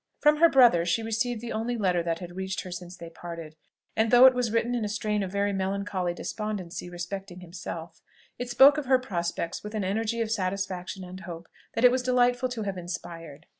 From her brother she received the only letter that had reached her since they parted; and though it was written in a strain of very melancholy despondency respecting himself, it spoke of her prospects with an energy of satisfaction and hope that it was delightful to have inspired.